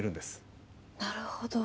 なるほど。